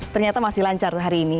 ternyata masih lancar hari ini